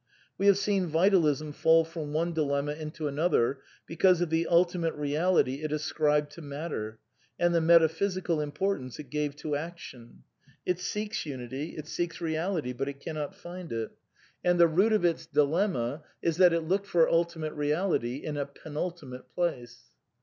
We have seen Vjtali«n fall from one dilemma into an other, because of the ultimate reality it ascribed to matter;^ and the metaphysical importance it gave to action. It seeks unity, it seeks reality, but it cannot find it. And 124 A DEFENCE OF IDEALISM the rg ot of its dil emm a is that i t looked f eg ul tima te^eality in a penultiinate place.